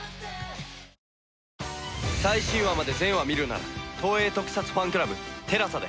最新話まで全話見るなら東映特撮ファンクラブＴＥＬＡＳＡで。